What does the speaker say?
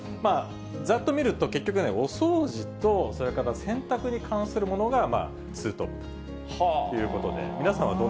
ざっと見ると、結局ね、お掃除とそれから洗濯に関するものがツートップということで。